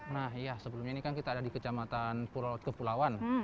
nah iya sebelumnya ini kan kita ada di kecamatan pulau kepulauan